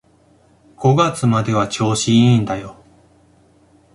五月までは調子いいんだよ